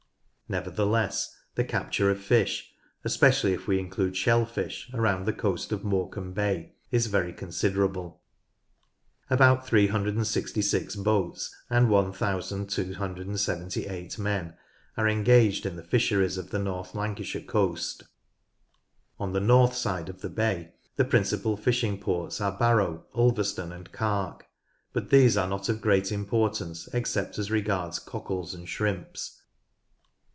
Nevertheless, the capture of fish (especially if we include shellfish) around the coast of Morecambe Bay is very considerable. About 366 boats and 1278 men are engaged in the fisheries of the North Lancashire coast. On the north side of the bay the principal fishing ports are Barrow, Ulverston, and Carle, but these are not of great importance except as regards cockles and shrimps.